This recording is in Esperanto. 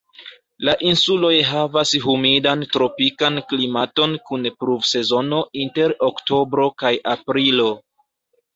La insuloj havas humidan tropikan klimaton kun pluvsezono inter oktobro kaj aprilo.